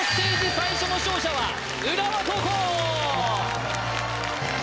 最初の勝者は浦和高校